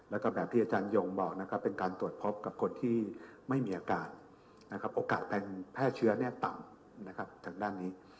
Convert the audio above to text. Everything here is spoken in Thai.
แล้วก็แบบที่อาจารย์ยงบอกเป็นการตรวจพบกับคนที่ไม่มีอาการโอกาสเป็นแพร่เชื้อแน่ต่ำจากด้านนี้